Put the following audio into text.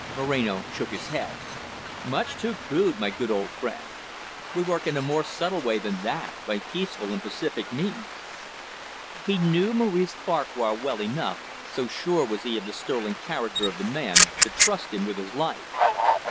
Moreno shook his head. "Much too crude, my good old friend. We work in a more subtle way than that, by peaceful and pacific means." He knew Maurice Farquhar well enough, so sure was he of the sterling character of the man, to trust him with his life.